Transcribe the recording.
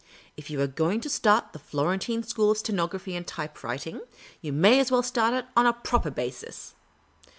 If you are going to start the Florentine School of Stenography and Typewriting, you may as well start it on a proper basis.